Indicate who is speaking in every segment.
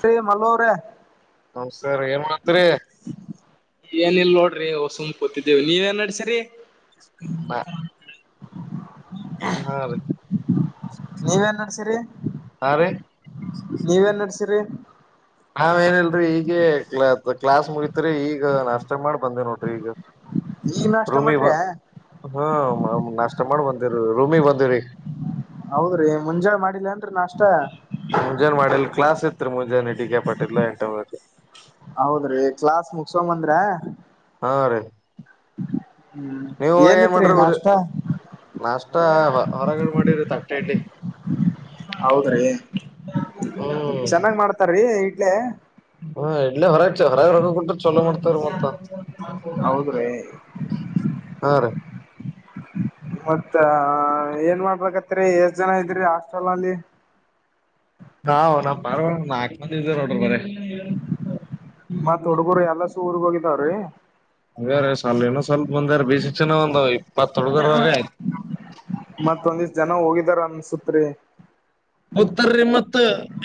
Speaker 1: ಹೇ ಮಲ್ಲು ಅವ್ರೇ
Speaker 2: ನಮಸ್ಕಾರ ಏನ್ ಮಾಡತ್ರಿ
Speaker 1: ಏನಿಲ್ಲ ನೋಡ್ರಿ ಸುಮ್ ಕೋತಿದ್ದೀವಿ ನೀವ ಏನ್ ನೆಡ್ಸಿರಿ
Speaker 2: ಹ ಬನ್ನಿ
Speaker 1: ನೀವ್ ಏನ್ ನಡ್ಸಿರಿ
Speaker 2: ಹಾ ರಿ
Speaker 1: ನೀವ್ ಏನ್ ನಡ್ಸಿರಿ
Speaker 2: ಹಾವ ಏನಲ್ರೀ ಈಗ ಕ್ಲಾಸ್ ಮುಗತ್ರಿ ಈಗ ನಷ್ಟ ಮಾಡ್ ಬಂದೆ ನೋಡ್ರಿ ಈಗ
Speaker 1: ಈಗ ನಾಷ್ಟ
Speaker 2: ರೂಮಿಗೆ ಬ
Speaker 1: ಮಾಡ್ರಿ
Speaker 2: ಹೂ ನಾಷ್ಟ ಮಾಡಿ ಬಂದಿ ರೂಮಿಗೆ ಬಂದಿವ್ರಿ
Speaker 1: ಹೌದ್ರಿ ಮುಂಜಾ ಮಾಡಿಲ್ಲೇನ್ರೀ ನಾಷ್ಟ
Speaker 2: ಮುಂಜಾನ ಮಾಡಿಲ್ ಕ್ಲಾಸ್ ಇತ್ರಿ ಮುಂಜಾನೆ ಟಿಕೆ ಪಟೀಲ್ ಎಂಟ್ರರಿ
Speaker 1: ಹೌದ್ರೀ ಕ್ಲಾಸ್ ಮುಗಿಸಿಕೊಂಡು ಬಂದ್ರೆ
Speaker 2: ಹಾ ರೀ
Speaker 1: ಹೂ
Speaker 2: ನೀವು ಏನ್
Speaker 1: ಏನಿತ್ರಿ
Speaker 2: ಮಾಡ್ರಿ ಊರಿ
Speaker 1: ನಾಷ್ಟ
Speaker 2: ನಾಷ್ಟ ಹೊರಗಡೆ ಮಾಡಿರಿ ತಟ್ಟೆ ಇಡ್ಲಿ
Speaker 1: ಹೌದ್ರಿ
Speaker 2: ಹೂ
Speaker 1: ರೆಡಿ ಇಡ್ಯಾ
Speaker 2: ಹಾ ಇಡ್ಲಿ ಹೊರಚ್ ಹೊರಕ್ ಚೊಲೋ ಮಾಡತ್ತರ್ ಮತ್ತೆ
Speaker 1: ಹೌದ್ರಿ
Speaker 2: [unintelligible] ಹಾ ರೀ
Speaker 1: ಮತ್ತೆ ಏನ್ ಮಾಡ್ಬೇಕತ್ರಿ ಎಷ್ಟ್ ಜನ ಇದ್ರಿ ಹಾಸ್ಟೆಲ್ ಅಲ್ಲಿ.
Speaker 2: ಹಾ ನಾವು ಬರ ನಾಲ್ಕ ಮಂದಿ ಇದ್ದೇವಿ ನೋಡ್ರಿ ಬರೆ-
Speaker 1: ಮತ್ ಹುಡುಗುರು ಎಲ್ಲಾ ಸ್ಕೂಲ್ಗೆ ಹೋಗಿದಾವ್ರೀ
Speaker 2: ಹಂಗ್ರೀ ಸಲ್ ಇನ್ನ ಸ್ವಲ್ಪ್ ಬಂದ ಬಸ ಚನ ಒಂದ್ ಇಪ್ಪತ್ತೊಳ್ಗರ್ ಆಯ್ತು.
Speaker 1: ಮತ್ತೊಂದು ಇಷ್ಟ್ ಜನ ಹೋಗಿದಾರೆ ಅನ್ಸುತೆ ರೀ.
Speaker 2: ಬತರೀ ಮತ್ತೆ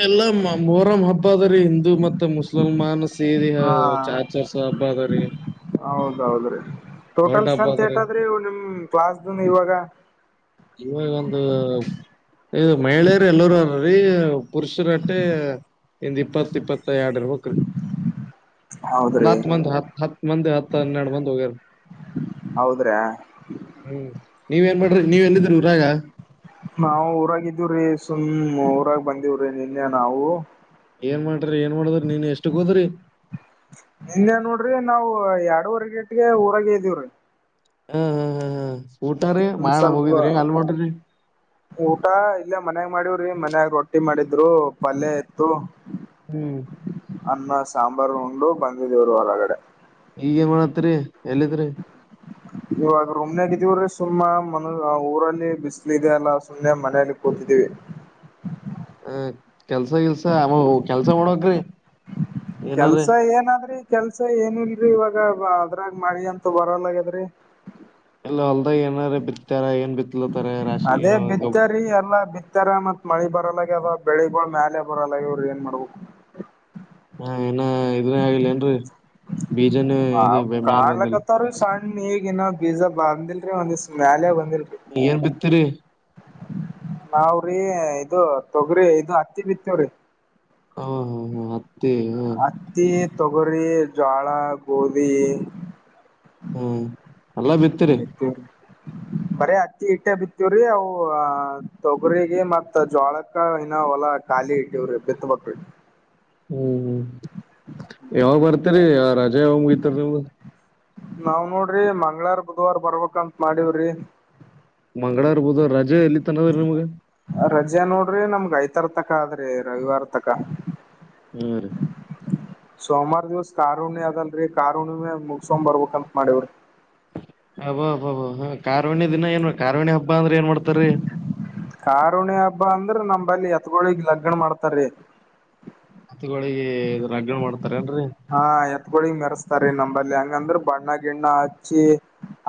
Speaker 2: ಎಲ್ಲಾ ಮೊರಹಂ ಹಬ್ಬ ಅದರಿ ಹಿಂದೂ ಮತ್ತೆ ಮುಸ್ಲಿಂ ಮಾನಸ ಈ ದಿನ
Speaker 1: ಹಾ
Speaker 2: ಚಾರ್ ಚರ್ಸ ಹಬ್ಬ ಅದ್ರೀ
Speaker 1: ಹೌದೌದ್ರಿ ಟೋಟಲ್
Speaker 2: ಹಬ್ಬ
Speaker 1: ಸ್ಟ್ರಂತ್
Speaker 2: ಅದರಿ
Speaker 1: ಹೇಟದ್ರಿ ನಿಮ್ ಕ್ಲಾಸ್ನ್ ಇವಾಗ.
Speaker 2: ಇವಾಗ ಒಂದೂ ಇದು ಮಹಿಳೆಯರು ಎಲ್ಲರೂ ಅವ್ರೆ ರೀ ಪುರುಷರಟ್ಟೆ ಇಂದ್ ಇಪ್ಪತ್ತು ಇಪ್ಪತ್ತೈ ಎರಡ್ ಗ್ರೂಪ್ ಇರತ್ತೈದ್ ರೀ.
Speaker 1: [unintelligible]
Speaker 2: ಒಂದ್
Speaker 1: ಹೌದ್ರಿ
Speaker 2: ಹತ್ ಮಂದಿ ಹ ಹತ್ ಮಂದಿ ಹತ್ತ್ ಹನ್ನೆರಡು ಮಂದಿ ಹೋಗ್ಯಾರ.
Speaker 1: ಹೌದ್ರಾ
Speaker 2: ಹ್ಮ್ ನೀವೇನ್ ಮಾಡ್ರಿ ನೀವ್ ಎಲ್ಲಿದಿರಿ ಊರಾಗ.
Speaker 1: ನಾವು ಊರಾಗಿದ್ದೀವ್ರೀ ಸುಮ್ ಊರಾಗ ಬಂದಿವವ್ರಿ ನಿನ್ನೆ ನಾವು.
Speaker 2: ಏನ್ ಮಾಡ್ರಿ ಏನ್ ಮಾಡಿದ್ರ ನೀನ್ ಎಷ್ಟಕ್ ಹೋದ್ರಿ.
Speaker 1: ನಿನ್ನೇ ನೋಡ್ರಿ ನಾವು ಎರಡೂವರೆ ಗೇಟ್ಗೆ ಊರಾಗೆ ಇದ್ದೀವ್ರೀ.
Speaker 2: ಹ್ಮ್ ಹ್ಮ್ ಹ್ಮ್ ಹ್ಮ್ ಊಟ ರೀ
Speaker 1: ಒಂದ್
Speaker 2: ಮಾಡಗ್
Speaker 1: ಸ್ವಲ್ಪ
Speaker 2: ಹೋಗಿದ್ರಿ ಅಲ್ ಒಂಟಿವಿ.
Speaker 1: ಊಟ ಇಲ್ಲೇ ಮನ್ಯಾಗ ಮಾಡವ್ರಿ ಮನ್ಯಾಗ ರೊಟ್ಟಿ ಮಾಡಿದ್ರು ಪಲ್ಯ ಇತ್ತು.
Speaker 2: ಹ್ಮ್
Speaker 1: ಅನ್ನ ಸಾಂಬಾರ್ ಉಂಡು ಬಂದಿದ್ ಇಲ್ಲಿ ಹೊರಗಡೆ.
Speaker 2: ಈಗೇನ್ ಮಾಡತ್ರಿ ಎಲ್ಲಿದ್ರಿ.
Speaker 1: ಇವಾಗ ರೂಮ್ನಾಗ್ದೀವ್ರೀ ಸುಮ್ಮ್ ಮನ್ ಊರಲ್ಲಿ ಬಿಸಲು ಇದೆ ಅಲ್ಲ ಸುಮ್ನೆ ಮನೆಲಿ ಕೂತಿದ್ದೀವಿ.
Speaker 2: ಹೆ ಕೆಲಸ ಗಿಲಸ ಕೆಲಸ ಮಾಡೋಗ್ ರೀ
Speaker 1: ಕೆಲಸ ಏನಾದ್ರಿ. ಕೆಲಸ ಏನೂ ಇಲ್ರರಿ ಇವಾಗ ಅದ್ರಾಗ ಮಳಿ ಅಂತೂ ಬರಲಗ್ಯದ್ರಿ.
Speaker 2: ಇಲ್ಲ ಹೊಲ್ದ ಏನಾರೂ ಬಿತ್ತಾರ ಏನ್ ಬಿತ್ಲತಾರೆ ರಾಶಿ ಏನು ಗೊ
Speaker 1: [unintelligible] ತ್ತರ ಮತ್ ಮಳಿ ಬರಲ್ಲೆ ಬೆಳಿಗ್ ಮ್ಯಾಲೆ ಬರಲ್ಲೆ ಇವ್ರು ಏನ್ ಮಾಡ್ಬೇಕು.
Speaker 2: ಹಾ ಏನೊ ಇದೂ ಆಗಿಲ್ಲ ಏನ್ರರೀ ಬೀಜನೆ
Speaker 1: ನ ಕಾಣ್ಲಕ್ಕತ್ತವ್ರೂ ಸಣ್ಣ ಈಗ ಇನ್ನ ಬೀಜ ಬಂದಿಲ್ರರಿ ಒಂದ್ ಮ್ಯಾಲೆ ಬಂದಿರ್
Speaker 2: ಏನ್ ಬಿತ್ತೀರಿ.
Speaker 1: ನಾವ್ರೀ ಇದು ತೊಗ್ರಿ ಇದು ಹತ್ತಿ ಬಿತ್ತವ್ರಿ.
Speaker 2: ಹಾ ಹ ಹ್ಮ್ ಹತ್ತಿ ಹ್ಮ್
Speaker 1: ಹತ್ತಿ ತೊಗರಿ ಜೋಳ ಗೋದಿ
Speaker 2: ಹ್ಮ್ ಎಲ್ಲಾ ಬಿತ್ತರಿ
Speaker 1: [unintelligible] ಬರೀ ಹತ್ತಿ ಇಟ್ಟೆ ಬಿತ್ತವ್ರಿ ಅವು ತೊಗರಿಗೆ ಮತ್ ಜೋಳಕ್ಕ ಇನ್ನ ಹೊಲ ಹಾಕ ಕಾಲಿ ಇಟ್ಟವ್ರು ಹತ್ತ್ ಹತ್ತು ಮಕ್ಕಳು
Speaker 2: ಹ್ಮ್ ಹ್ಮ್ ಯಾವಾಗ ಬರ್ತರಿ ಯಾವ ರಜಾ ಯಾವಗ ಮುಗತರಿ ನಿಮ್ದೂ.
Speaker 1: ನಾವ್ ನೋಡ್ರಿ ಮಂಗ್ಳಾರ ಬುಧವಾರ ಬರ್ಬೇಕಂತ ಮಾಡವ್ರಿ
Speaker 2: ಮಂಗಳವಾರ ಬುದುವಾರ ರಜೆ ಎಲ್ಲಿ ತನದ್ರೀ ನಿಮ್ಗೆ.
Speaker 1: ರಜೆ ನೋಡ್ರಿ ನಮ್ಗ್ ಐತಾರ್ ತಕ ಆದ್ರಿ ರವಿವಾರ ತಕ
Speaker 2: ಹ್ಮ್ ರೀ
Speaker 1: ಸೋಮವಾರ ದಿವಸ ಕಾರುಣ್ಣಿ ಅದಲ್ರರಿ ಕಾರುಣಿೆ ಮುಗಸಕಂಬ್ ಬರ್ಬೇಕಂತ ಮಾಡೇವ್ರಿ
Speaker 2: ಅಬ್ಬ ಹಬ್ಬ ಕಾರವಣಿ ದಿನ ಏನ್ ಕಾರವಣಿ ಹಬ್ಬ ಅಂದ್ರೆ ಏನ್ ಮಾಡ್ತಾರೀ
Speaker 1: ಕರುಣೆ ಹಬ್ಬ ಅಂದ್ರ ನಮಲ್ಲಿ ಎತ್ಗೋಿಗ್ ಲಗ್ಗಣ ಮಾಡ್ತಾರೀ
Speaker 2: ಹತ್ಗಳಿಗೆ ರಗಣ ಮಾಡ್ತಾರೇನ್ರರಿ
Speaker 1: ಹಾ ಎತ್ಗಳಿಗ್ ಮೆರೆಸ್ತಾರಿ ನಂಬಲ್ಲಿ ಹಂಗಂದ್ರ ಬಣ್ಣ ಗಿಣ್ಣ ಹಚ್ಚಿ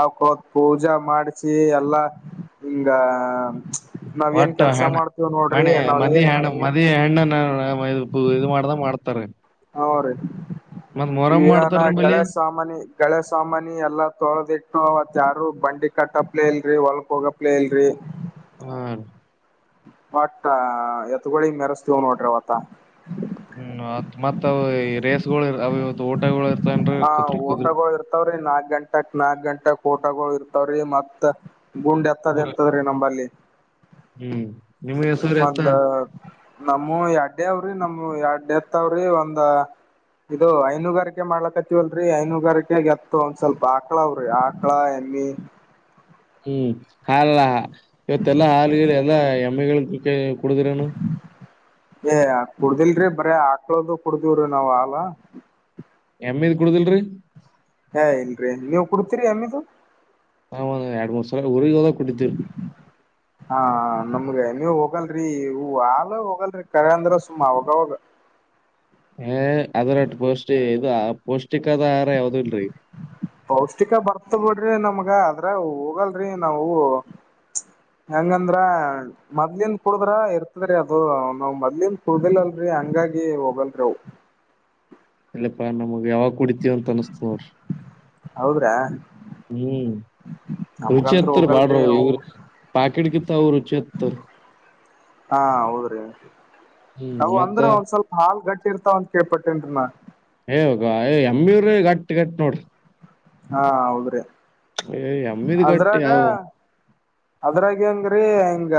Speaker 1: ಅವಕ್ಕತ್ ಪೂಜಾ ಮಾಡಿಸಿ ಎಲ್ಲಾ ಹಿಂಗ ನಾವ ಏನ್
Speaker 2: ಒಟ್ಟ
Speaker 1: ಕೆಲ್ಸ ಮಾಡ್ತೀವ್ ನೋಡ್ರಿ ನಾವ್ ಏನ್
Speaker 2: ಮದವೆ ಹೆಣ್ಣನ ಇದು ಮಾಡ್ದಗ ಮಾಡ್ತಾರೆ
Speaker 1: ಹ ರೀ ಈನ
Speaker 2: ಮಾಡ್ತಾರ ನಿಮ್ಮಲ್ಲಿ
Speaker 1: ಳೇಶ ಸಾಮನಿ ಕಳೆ ಸಾಮಾನಿ ಎಲ್ಲಾ ತೊಳದಿಟ್ಟು ಅವತ್ ಯಾರು ಬಂಡಿ ಕಟ್ಟಪ್ಲೇ ಇಲ್ರರಿ ಹೊಲ್ಕ್ ಹೋಗಪ್ಲೇ ಇಲ್ರಿ
Speaker 2: ಹ್ಮ
Speaker 1: ಬಟ್ ಎತ್ಗಳಿ ಮೆರೆಸ್ತೀವ್ ನೋಡ್ರಿ ಅವತ್ತ
Speaker 2: ಹ್ಮ್ತ್ ಮತ್ ಅವ ರೇಸ್ಗಳು ಅವ ಇವತ್ತು ಊಟಗಳು ಇರ್ತನ್ರಿ ಕುದ್ರಿ ಕುದ್ರಿ
Speaker 1: ಇರ್ತವ್ರೀ ನಾಕಕ್ ಗಂಟಕ್ ನಾಕಕ್ ಗಂಟ ಊಟಗ ಇರ್ತವ್ರಿ ಮತ್ ಗುಂಡ್ ಎತ್ತದ
Speaker 2: ಊರ
Speaker 1: ಇರ್ತದ ನಂಬರ್ಲ್ಲಿ
Speaker 2: ಹ್ಮ್ ನಿಮ್ಗೆ ಹೆಸರು ಎತ್ತ
Speaker 1: ಒಂದ ನಮ್ಮ ಎಡ್ಡ ಅವ್ರಿ ನಮ್ಮ ಎಡ್ಡೆತ್ವ್ರಿ ಒಂದ ಇದು ಐನುಗಾರಿಕೆ ಮಾಡ್ಲಕತ್ತವಲ್ರರಿ ಐನುಗಾರಿಕೆಗೆ ಎತ್ತತ್ತು ಒಂದ್ ಸ್ವಲ್ಪ ಆಕ್ಲಾವ್ರಿ ಹ ಎಮ್ಮಿ
Speaker 2: ಹ್ಮ್ ಹಾಲಲ್ಲ ಇವತ್ತೆಲ್ಲಾ ಹಾಲ್ ಎಲ್ಲಾ ಎಮ್ಮಿಗಳ ಕುಡುದಿರನು
Speaker 1: ಏ ಕುಡ್ದಿಲ್ರರಿ ಬರ ಆಕ್ಳೋದು ಕುಡ್ದಿವ್ರೀ ನಾವ್ ಹಾಲ
Speaker 2: ಎಮ್ಮೆದು ಕುಡುದಲ್ರರಿ
Speaker 1: ಏ ಏನ್ರೀ ನೀವ್ ಕುಡ್ತಿರಿ ಎಮ್ಮೆದು
Speaker 2: ನಾವ ಎಡ್ ಮೂರ್ ಸಾವಿರ ಊರಿಗ್ ಹೊದಾಗ್ ಕೊಟ್ಟಿದ್ದೀರಿ
Speaker 1: ಹ ನಮ್ಗ ನೀವು ಹೋಗಲ್ರರಿ ಹೂ ಆಲ್ ಹೋಗಲ್ರರಿ ಕರೆ ಅಂದ್ರ ಸುಮ್ಮ ಅವಾಗವಾಗ
Speaker 2: ಹೇ ಅದ್ರಟ್ಟ ಪೌಷ್ಟಿ ಇದು ಪೌಷ್ಟಿಕದ ಆಹಾರ ಯಾವ್ದ ಇಲ್ರರಿ
Speaker 1: ಪೌಷ್ಟಿಕ ಬರ್ತ ಬಿಡ್ರಿ ನಮ್ಗ ಅದ್ರ ಹೋಗಲ್ರಿ ನಾವು ಹೆಂಗಂದ್ರ ಮೊದ್ಲಿನ್ ಕುಡುದ್ರ ಇರ್ತದ್ರೀ ಅದು ನಾವ್ ಮೊದ್ಲಿಂದ ಕುಡುದಿಲ್ಲಲ್ರರಿ ಹಂಗಾಗಿ ಹೋಗಲ್ರಿ ಅವು
Speaker 2: ಇಲ್ಲಪ್ಪಾ ನಮಗ್ ಯಾವಾಗ ಕುಡಿತೀವ ಅಂತ ಅನ್ಸಸ್ತ ನೋಡ್ರಿ
Speaker 1: ಹೌದ್ರಾ
Speaker 2: ಹ್ಮ್ ರುಚಿ
Speaker 1: ನಮ್ಗಂತ್ರು
Speaker 2: ಹತ್ತರ ಬಾಡ್ರ
Speaker 1: ಹೋಗಲ್ರಿ ಅವು
Speaker 2: ಇವ್ರ ಪಾಕಿಡ್ಗಿತ್ತ ಅವ ರುಚಿ ಹತ್ತರ
Speaker 1: ಹಾ ಹೌದ್ರೀ
Speaker 2: ಹ್ಮ್
Speaker 1: ಅವು
Speaker 2: ಮತ್ತ
Speaker 1: ಅಂದ್ರೆ ಒಂದ್ ಸ್ವಲ್ಪ ಹಾಲ್ ಗಟ್ಟಿ ಇರ್ತಾವ ಒಂದ ಕೇಳ್ಪಟ್ಟೇನ್ರಿ
Speaker 2: ಏವೋಗ ಏ ಎಮ್ಮಿರ ಗಟ್ಟಿ ಗಟ್ಟ ನೋಡ್ರಿ
Speaker 1: ಹಾ ಹೌದ್ರಿ
Speaker 2: ಏ ಎಮ್ಮಿದ್ ಗಟ್ಟಿ
Speaker 1: ಅದ್ರಾಗ
Speaker 2: ಯಾವ
Speaker 1: ಅದ್ರಾಗ ಹೆಂಗ್ರಿ ಹಿಂಗ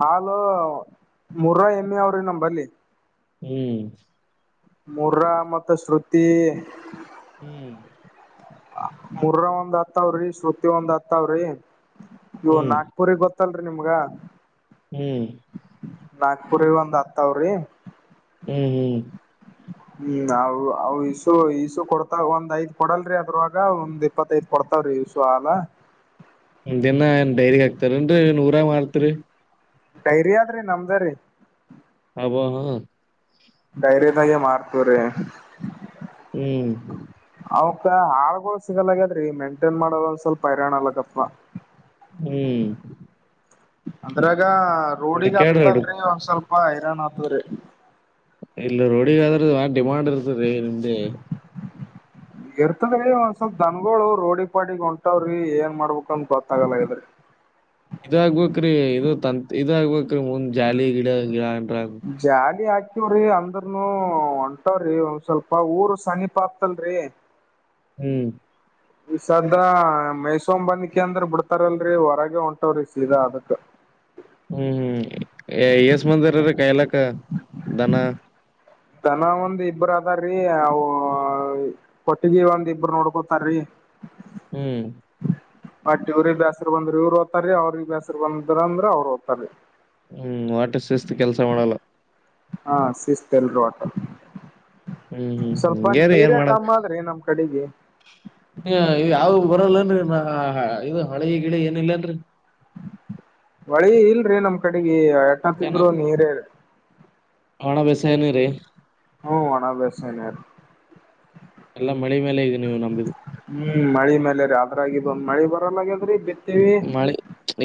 Speaker 1: ಹಲ್ ಮುರ್ರ ಎಮ್ಮಿ ಅವ್ರಿ ನಮ್ಮ ಬಲ್ಲಿ
Speaker 2: ಹ್ಮ್
Speaker 1: ಮೂರ ಮತ್ತ ಶ್ರುತಿ
Speaker 2: ಹ್ಮ್
Speaker 1: ಮುರ್ರ ಒಂದ್ ಆತ್ತವ್ರಿ ಶ್ರುತಿ ಒಂದ್ ಹತ್ತಾವ್ರಿ ಇವ
Speaker 2: ಹ್ಮ್
Speaker 1: ನಾ ಪುರಿ ಗೊತ್ತಲ್ರಿ ನಿಮ್ಗ
Speaker 2: ಹ್ಮ್
Speaker 1: ನಾಗಪುರ್ಗ ಒಂದ್ ಅತ್ತ ಸವಾರಿ
Speaker 2: ಹ್ಮ್ಮ
Speaker 1: ಹ್ಮ್ ಅ ಇಸು ಇಸು ಕೊಡ್ತ ಒಂದ್ ಐದ್ ಕೊಡಲ್ರರಿ ಅದ್ರವಾಗ ಒಂದ್ ಇಪ್ಪತ್ತೈದು ಪಡ್ತಾವ್ರೀ ಸ ಹಾಲ
Speaker 2: ದಿನ ಡೈರಿ ಹಾತಾರನ್ರಿ ನೂರ ಮಾಡ್ತ್ರಿ
Speaker 1: ಡೈರಿ ಆದ್ರಿ ನಮ್ದ ರೀ
Speaker 2: ಅಬ ಹಾ
Speaker 1: ಧೈರ್ಯದಾಗೆ ಮಾರ್ತವ್ರ
Speaker 2: ಹ್ಮ್
Speaker 1: ಅವಕ ಹಾಲಗಳು ಸಿಗಲ್ಲಗ್ಯದ್ರೀ ಮೇಂಟೈನ್ ಮಾಡೋದ ಒಂದ್ ಸ್ವಲ್ಪ ಹೈರಾಣ ಅಲ್ಲಕಪ್ಪ
Speaker 2: ಹ್ಮ್
Speaker 1: ಅದ್ರಾಗ ರೋಡಿಗ್
Speaker 2: ಹುಡುಕ್ಯಾಡ್ರಿ ಹುಡುಕ್
Speaker 1: ಹತದಲ್ರಿ ಒಂದ್ ಸ್ವಲ್ಪ ಹೈರಾಣ ಹತ್ತದ್ರಿ
Speaker 2: ಇಲ್ಲ ರೋಡಿಗ ಆದ್ರ ಡಿಮಾಂಡ್ ಇರ್ತರಿ ನಿಮ್ದಿ
Speaker 1: ಇರ್ತದ್ರೀ ಒಂದ್ ಸ್ವಲ್ಪ್ ದನ್ಗಳು ರೋಡಿ ಪಾಡಿ ಹೊಂಟಾವ್ರಿ ಏನ್ ಮಾಡ್ಬೇಕ ಅನ್ ಗೊತ್ತಾಗಲ್ಲ ಇದ್ರಿ
Speaker 2: ಇದಾಗಗ್ಬ್ರೀ ಇದು ತತ್ ಇದಾಗಗ್ಬ್ರೀ ಮುಂದ್ ಜಾಲಿ ಗಿಡ ಗಿಡನ್ರ
Speaker 1: ಜಾಲಿ ಹಾಕವ್ರಿ ಅಂದ್ರನು ಹೊಂಟವ್ರಿ ಒಂದ್ ಸ್ವಲ್ಪ ಊರ್ ಸನಿಪ ಆಕ್ತಲ್ರರಿ
Speaker 2: ಹ್ಮ್
Speaker 1: ಈ ಸದಾ ಮೈಸು ಬಂದಿಕಿ ಅಂದ್ರ ಬಿಡ್ತಾರಲ್ರರಿ ಹೊರಗ ಹೊಂಟವ್ರಿ ಸೀದಾ ಅದಕ್
Speaker 2: ಹ್ಮ್ ಹ್ಮ್ ಎಸ್ ಮಂದರಿ ರ ಕಾಯಲಕ್ಕ ದನ
Speaker 1: ದನ ಒಂದ್ ಇಬ್ಬರು ಅದಾರ್ರೀ ಅ ಕೊಟ್ಟಗೀ ಒಂದ ಇಬ್ಬರು ನೋಡ್ಕೊತಾರೀ
Speaker 2: ಹ್ಮ್
Speaker 1: ಓಟ್ ಇವ್ರಿಗೆ ಬೇಸರು ಬಂದ್ರ ಇವ್ರು ದ್ತಾರೀ ಅವ್ರಿಗೆಗ್ ಬೇಸರು ಬಂದ್ರ ಅಂದ್ರೆ ಅವ್ರು ಒದ್ತಾರರಿ
Speaker 2: ಹ್ಮ್ ವಠ ಸಿಸ್ತ ಕೆಲ್ಸ ಮಾಡಲ್ಲ
Speaker 1: ಹಾ ಸಿಸ ತಲಿ ಹೊಟ್ಟ
Speaker 2: ಹ್ಮ್ ಹ್ಮ್
Speaker 1: ಸ್ವಲ್ಪ
Speaker 2: ಹಿಂಗೇರಿ
Speaker 1: ನೀರ
Speaker 2: ಏನ್ ಮಾಡದ್
Speaker 1: ಕಮ್ಮ ಆದ್ರಿ ನಮ್ ಕಡೆಗೆ
Speaker 2: ಯಾವ ಬರಲ್ಲನ್ರಿ ನ ಇದು ಹಳೆ ಗಿಡ ಏನಿಲ್ಲನ್ರರಿ
Speaker 1: ಹೋಳಿ ಇಲ್ರಿ ನಮ್ ಕಡೆಗೆ ತಟ್ಟೊತ್ತಿದ್ರು
Speaker 2: ಚೆನ್ನಾಗ್
Speaker 1: ನೀರೇ
Speaker 2: ಒಣ ಬೇಸಯ ಏನ ರಿ
Speaker 1: ಹ್ಮ ಅಣ ಬ್ಯಾಸ್ಯಗರ್
Speaker 2: ಎಲ್ಲ ಮಳೆ ಮೇಲೆ ಈಗ ನೀವು ನಂಬಿದು
Speaker 1: ಹ್ಮ್ ಮಳಿ ಮೇಲೆ ರ ಅದ್ರಾಗಿ ಒಂದು ಮಳಿ ಬರಲ್ಲ ಹಾಗದ್ರಿ
Speaker 2: ಮಾಡಿ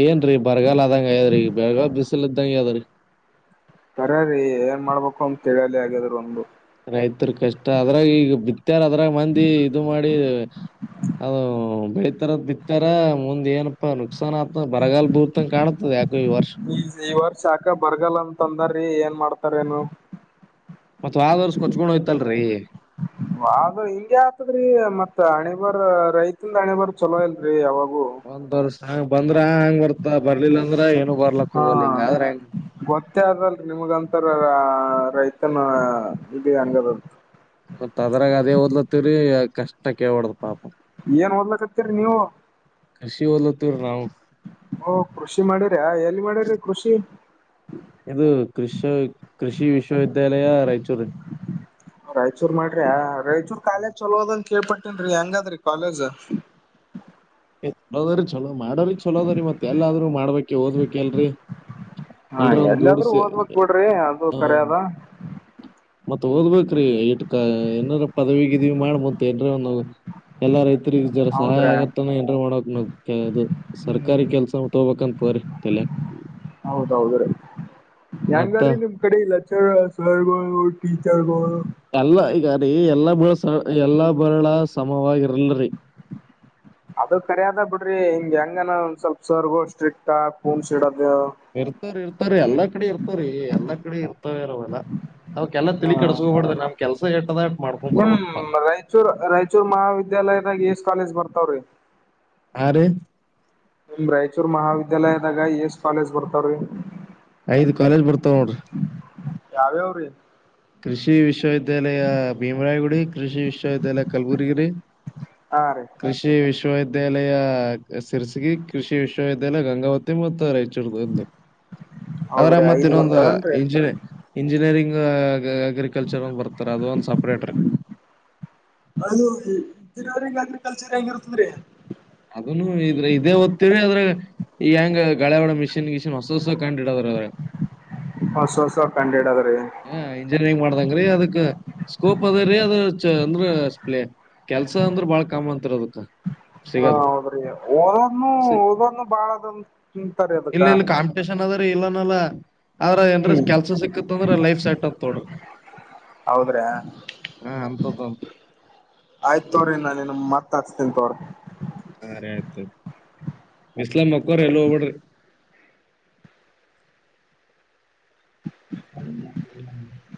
Speaker 2: ಏನ್ ರೀ ಬರಗಾಲ ಅದಂಗ ಯದ್ರಿ ಬೆರಗಾಲ್ ಬಿಸಿಲ ಇದ್ದಂಗ ಯಾವದ್ರಿ
Speaker 1: ಬರೀ ಏನ್ ಮಾಡ್ಬೇಕು ಅಂತ ಕೇಳಲಿ ಆಗ್ಯಾದ್ರ ಒಂದು
Speaker 2: ರೈತರು ಕಷ್ಟ ಅದ್ರಾಗ ಈಗ ಬಿತ್ತಾರ ಅದ್ರಾಗ ಮಂದಿ ಇದು ಮಾಡಿ ಅದು ಬೆೇತಾರದ ಬಿತ್ತಾರ ಮುಂದ್ ಏನ್ ಪಾ ನುಕ್ಸಾನ ಆತ್ತ ಬರಗಾಲ ಬಿಳುತ್ತ ಕಾಣತದ ಯಾಕೋ ಈ ವರ್ಷ
Speaker 1: ಈ ಈ ವರ್ಷ ಏಕ ಬರ್ಗಲ್ಲ ಅಂತ ಅಂದ್ರ ಏನ್ ಮಾಡ್ತಾರೇನು
Speaker 2: ಮತ್ ವಾದ ವರ್ಷ ಕೊಚ್ಕೊಂಡು ಹೋಯ್ತಲ್ರರಿ
Speaker 1: [inaudible] ವದು ಹಿಂಗೆ ಆತದ್ರೀ ಮತ್ ಅಣೆಬರ್ ರೈತಂದ ಅಣೆಬರ್ ಚಲೋ ಇಲ್ರಿ ಯಾವಾಗೂ
Speaker 2: ಒಂದ್ ವರ್ಷ ಹಂಗ ಬಂದ್ರ ಹಂಗ್ ಬರ್ತ ಬರ್ಲಿಲ್ಲ ಅಂದ್ರೆ ಏನ ಬರ್ಲಕ್
Speaker 1: ಹಾ
Speaker 2: ಹೋಗಲ್ಲ ಹಿಂಗ ಆದ್ರ ಹೆಂಗ
Speaker 1: ಗೊತ್ತೇ ಆದಲ್ರಿ ನಿಮಗಂತರ ರೈತನ ಇದ ಹಂಗದ ಅಂತ
Speaker 2: ಮತ್ತ ಅದರಾಗ ಅದೇ ಓದ್ಲ ತಿರಿ ಕಷ್ಟ ಕೇಲ ಬಡ್ದ್ ಪಾಪ
Speaker 1: ಏನ್ ಓದ್ಲಕ್ಕತ್ತೀರಿ ನೀವು
Speaker 2: ಕೃಷಿ ಓದ್ಲತ್ತೀವ್ರಿ ನಾವು
Speaker 1: ಓ ಕೃಷಿ ಮಾಡ್ಯ್ರ ಎಲ್ಲಿ ಮಾಡ್ಯ್ರಿ ಕೃಷಿ
Speaker 2: ಇದು ಕೃಷ ಕೃಷಿ ವಿಶ್ವವಿದ್ಯಾಲಯ ರಾಯಚೂರು
Speaker 1: ರಾಯಚೂರ್ ಮಾಡ್ರಿ ರಾಯಚೂರ್ ಕಾಲೇಜ್ ಚಲೋದ ಕೇಳ್ಪಟ್ಟನ್ರಿ ಹೆಂಗಾದ್ರಿ ಕಾಲೇಜ್
Speaker 2: ಚಲೋದ್ರರಿ ಚಲೋ ಮಾಡ್ರರಿ ಚಲೋದ್ರರಿ ಮತ್ ಎಲ್ಲಾದ್ ಮಾಡ್ಬೇಕಕ್ ಓದ್ಬೇಕಲ್ರರಿ
Speaker 1: ಹಾ ಎಲ್ಲಾದ್ರೂ ಓದ್ಬೇಕ ಬಿಡ್ರಿ ಅದು ಕರೆದ
Speaker 2: ಮತ್ ಓದ್ಬೇಕ್ರೀ ಇಟ್ಕ ಏನಾರ ಪದವಿ ಗಿದವಿ ಮಾಡ ಮತ್ ಏನರ ಎಲ್ಲಾ ರೈತರಿಗೆ ಜರ ಸಹಾಯ
Speaker 1: ಹೌದ್ರಿ
Speaker 2: ಆಗತ್ತಾನ ಏನರ ಮಾಡಕ್ ನ ಅದು ಸರ್ಕಾರಿ ಕೆಲಸ ತೊಂಬಕೊರ ಕರ್ ತೆಲೆಕ್
Speaker 1: ಹೌದೌದ್ರೀ
Speaker 2: ಮತ್ತ
Speaker 1: ಹೆಂಗರ್ರಿ ನಿಮ ಈ ಕಡೆ ಲೆಕ್ಚರ್ ಸರ್ಗಳು ಟೀಚರ್ಗಳು
Speaker 2: ಎಲ್ಲ ಈಗ ರೀ ಎಲ್ಲ ಬರ ಎಲ್ಲಾ ಬರಳ ಸಮವಾಗಿರ್ಲ್ರಿ
Speaker 1: ಅದು ಕರಿ್ಯದ ಬಿಡ್ರಿ ಹಿಂಗ್ ಹೆಂಗನ ಒಂದ್ ಸ್ವಲ್ಪ ಸರ್ ಸ್ಟ್ರಿಕ್ ಪೂಣ್ಸ್ ಇಡೋದು
Speaker 2: ಇರ್ತಾರೆ ಇರ್ತವ್ರೀ ಎಲ್ಲಾ ಕಡೆ ಇರ್ತವ್ರೀ ಎಲ್ಲಾ ಕಡೆ ಇರ್ತವರೆಲ್ಲ ಅವಕೆಲ್ಲ
Speaker 1: ಹಾ
Speaker 2: ತಿಳಿ ಕಡಸ್ಕೋಬಾರ್ದೇ ನ್ ಕೆಲ್ಸ ಎಟ್ಟದಾಟ್ ಮಾಡ್ಕೊಂಡ್ ಬರ್ಬಕಪ್ಪ
Speaker 1: ಚೂರು ರಾಯಚೂರ್ ಮಹಾವಿದ್ಯಾಲಯದಾಗ ಎಸ್ ಕಾಲೇಜ ಬರ್ತಾವ್ರೀ
Speaker 2: ಆ ರೀ
Speaker 1: ನಿಮ್ ರಾಯಚೂರ್ ಮಹಾವಿದ್ಯಾಲಯದಾಗ ಎಸ್ ಕಾಲೇಜ್ ಬರ್ತಾವ್ರೀ
Speaker 2: ಐದ್ ಕಾಲೇಜ್ರ್ತಾವ ನೋಡಿ
Speaker 1: ಯಾವ್ಯ ಅವ್ರೀ
Speaker 2: ಕೃಷಿ ವಿಶ್ವವಿದ್ಯಾಲಯ ಭೀಮರಾಯಗುಡಿ ಕೃಷಿ ವಿಶ್ವವಿದ್ಯಾಲಯ ಕಲಬುರ್ಗಿರಿ
Speaker 1: ಹಾ ರೀ
Speaker 2: ಕೃಷಿ ವಿಶ್ವವಿದ್ಯಾಲಯ ಸಿರಸಗಿ ಕೃಷಿ ವಿಶ್ವವಿದ್ಯಾಲಯ ಗಂಗಾವತಿ ಮತ್ತು [unintelligible] ಅವ್ರ
Speaker 1: ಹೌದ್ರಿ
Speaker 2: ಮತ್ತ
Speaker 1: ಐದ್
Speaker 2: ಇನ್ನೊಂದು
Speaker 1: ಬರ್ತಾವನ್ರಿ
Speaker 2: ಇಂಜಿ ಇಂಜಿನಿಯರಿಂಗ್ ಅಗ್ರಿಕಲ್ಚರ್ ಒಂದ ಬರ್ತಾರೆ ಅದು ಒಂದು ಸಪ್ರೇಟ್ ರೀ
Speaker 1: ಅದು ತಿರವರೆಂಗಾದ್ರೆ ಕಲ್ಚರ್ ಹೆಂಗ ಇರ್ತದೆ್ರ
Speaker 2: ಅದನು ಇದ್ರ ಇದೇ ಓದ್ತೀವಿ ಅದ್ರಗ ಈ ಹೆಂಗ ಗಳೆ ಒಳ ಮಿಷಿನ್ ಗಿಷಿನ್ ಹೊಸ ಹೊಸ ಕಂಡಿಡದ್ರ್ರೆ
Speaker 1: ಹೊಸ ಹೊಸ ಕಂಡು ಇಡದ್ರೀ
Speaker 2: ಹ ಇಂಜಿನಿಯರಿಂಗ್ ಮಾಡ್ದಂಗ್ರೀ ಅದಕ್ ಸ್ಕೋಪ್ ಅದೇ ರೀ ಅದ ಅಂದ್ರ ಸ್ ಪ್ಲೇ ಕೆಲ್ಸ ಅಂದ್ರ ಬಾಳ ಕಾಮ್ ಅಂತರ ಅದಕ್
Speaker 1: ಹಾ ಹೌದ್ರಿ ಓದನು
Speaker 2: ಸಿ-
Speaker 1: ಓದೋನು ಬಾಳ ಅದನ್ ತಿಂತಾರ ಅದಕ್ಕ
Speaker 2: ನ್ ಅದ್ರ ಇಲ್ಲನಲ್ಲ ಅವ್ರ ಏನ್
Speaker 1: ಹ್ಮ್
Speaker 2: ಕೆಲ್ಸ ಸಿಕ್ತ್ ಇ ಲೈಫ್ ಸೆಟ್ಪ್ ತೊಡ್ರಿ
Speaker 1: ಹೌದ್ರಿ
Speaker 2: ಹ ಅಂತ್ದ
Speaker 1: ಆಯ್ತ್ ತೋ್ರಿ ನಾನನ್ ಮತಹಚೊನಿ ತೋಗರಿ
Speaker 2: ಹ ರ ಆಯ್ತ ಬೆಸ್ಲೀ ಮಕ್ಕರ್ ಎಲ್ಲ ಹೋಗ್ಬಡ್ರಿ ಹೌ